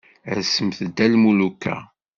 Rsemt-d a lmuluka.